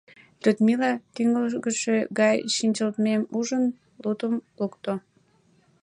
Людмила, тӱҥгылгышӧ гай шинчылтмем ужын, мутым лукто.